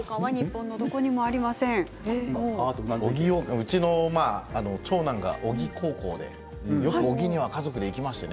うちの長男が小城高校でよく小城には家族で行きますね。